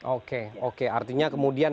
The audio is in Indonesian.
oke oke artinya kemudian